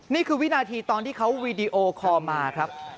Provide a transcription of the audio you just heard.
นี่คือวินาทีตอนที่เขาวีดีโอคอลมาครับ